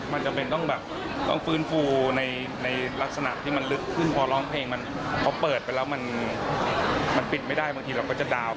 มันจำเป็นต้องแบบต้องฟื้นฟูในลักษณะที่มันลึกขึ้นพอร้องเพลงมันพอเปิดไปแล้วมันปิดไม่ได้บางทีเราก็จะดาวน์